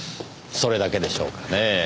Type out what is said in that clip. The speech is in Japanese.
それだけでしょうかねぇ。